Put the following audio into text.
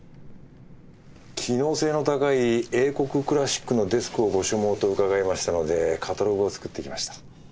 機能性の高い英国クラシックのデスクをご所望と伺いましたのでカタログを作ってきました。